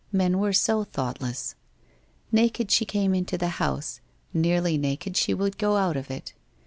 Men were so thoughtless! Naked she came into the house, nearly naked she would go out of it.